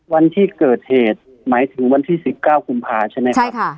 วันที่เกิดเหตุหมายถึงวันที่๑๙กุมภาใช่ไหมครับ